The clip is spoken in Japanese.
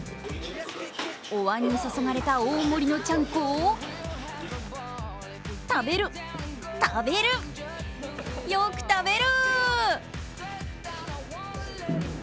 おわんにそそがれた大盛りのちゃんこを食べる、食べる、よく食べる！